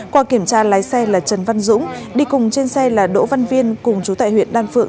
qua kiểm tra lái xe là trần văn dũng đi cùng trên xe là đỗ văn viên cùng chú tại huyện đan phượng